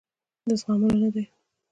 د زغملو نه دي.